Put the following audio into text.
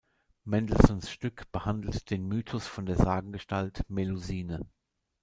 Mendelssohns Stück behandelt den Mythos von der Sagengestalt Melusine.